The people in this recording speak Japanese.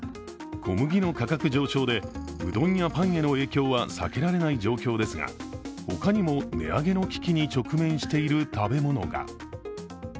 小麦の価格上昇で、うどんやパンへの影響は避けられない状況ですが他にも値上げの危機に直面している食べ物が。